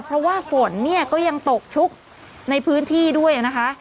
เพราะว่าฝนเนี่ยก็ยังตกชุกในพื้นที่ด้วยนะคะ